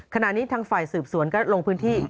ขณะนี้ทางฝ่ายสืบสวนก็ลงพื้นที่